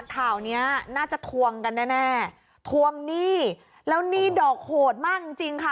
ข่าวเนี้ยน่าจะทวงกันแน่แน่ทวงหนี้แล้วหนี้ดอกโหดมากจริงจริงค่ะ